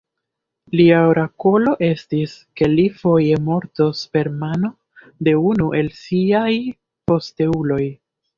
Lia orakolo estis, ke li foje mortos per mano de unu el siaj posteuloj.